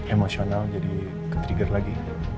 emosional jadi ketrigger lagi